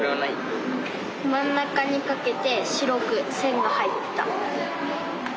真ん中にかけて白く線が入ってた。